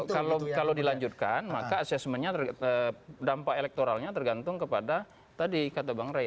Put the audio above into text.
kalau dilanjutkan maka assessmentnya dampak elektoralnya tergantung kepada tadi kata bang ray